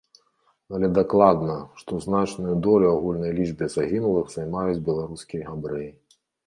Але дакладна, што значную долю ў агульнай лічбе загінулых займаюць беларускі габрэі.